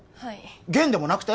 元でもなくて？